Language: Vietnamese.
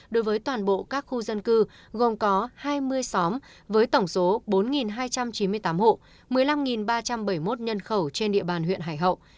đối với toàn bộ các khu dân cư gồm có hai mươi xóm với tổng số bốn hai trăm chín mươi tám hộ một mươi năm ba trăm bảy mươi một nhân khẩu trên địa bàn huyện hải hậu